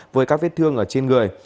với các vết thương ở trên người